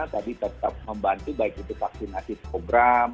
tadi tetap membantu baik itu vaksinasi program